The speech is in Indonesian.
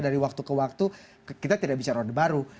dari waktu ke waktu kita tidak bisa road baru